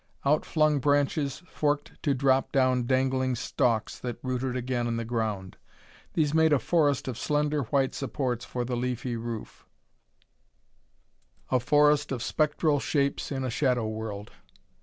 Outflung branches forked to drop down dangling stalks that rooted again in the ground; these made a forest of slender white supports for the leafy roof a forest of spectral shapes in a shadow world.